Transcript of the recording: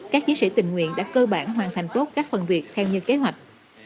các chiến sĩ tình nguyện đã cơ bản hoàn thành tốt các phần việc theo như kế hoạch